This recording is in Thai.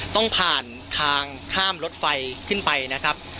ต้องผ่านทางข้ามรถไฟขึ้นไปนะครับ